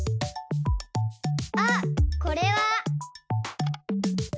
あっこれは。